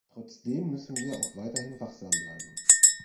Trotzdem müssen wir auch weiterhin wachsam bleiben.